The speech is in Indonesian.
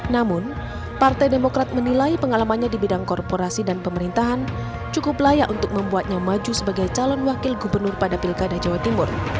namun partai demokrat menilai pengalamannya di bidang korporasi dan pemerintahan cukup layak untuk membuatnya maju sebagai calon wakil gubernur pada pilkada jawa timur